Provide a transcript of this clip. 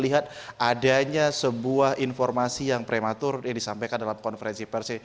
lihat adanya sebuah informasi yang prematur yang disampaikan dalam konferensi pers